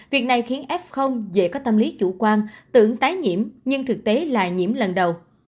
việc này khiến f dễ có tâm lý chủ quan tưởng tái nhiễm nhưng thực tế là nhiễm lần đầu